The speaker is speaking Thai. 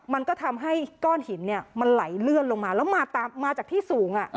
มันก็ทำให้ก้อนหินเนี่ยมันไหลเลื่อนลงมาแล้วมาตามมาจากที่สูงอ่ะ